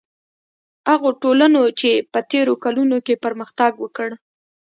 هغو ټولنو چې په تېرو کلونو کې پرمختګ وکړ.